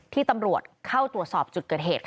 ตำรวจเข้าตรวจสอบจุดเกิดเหตุ